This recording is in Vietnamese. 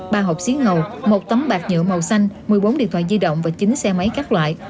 ba hộp xí ngầu một tấm bạt nhựa màu xanh một mươi bốn điện thoại di động và chín xe máy các loại